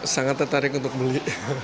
sangat tertarik untuk beli